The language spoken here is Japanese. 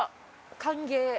歓迎。